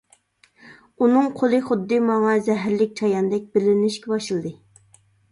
ئۇنىڭ قولى خۇددى ماڭا زەھەرلىك چاياندەك بىلىنىشكە باشلىدى.